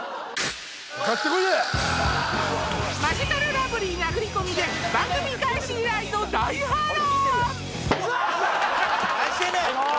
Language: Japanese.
マヂカルラブリー殴り込みで番組開始以来の大波乱！